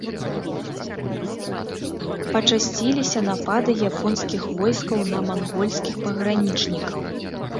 Пачасціліся напады японскіх войскаў на мангольскіх пагранічнікаў.